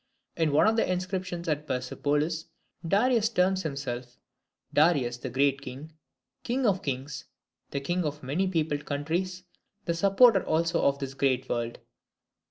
In one of the inscriptions at Persepolis, Darius terms himself "Darius the great king, king of kings, the king of the many peopled countries, the supporter also of this great world."